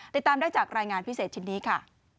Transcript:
ติดตามได้จากรายงานพิเศษชิ้นนี้ค่ะ